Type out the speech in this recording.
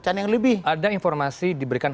can yang lebih ada informasi diberikan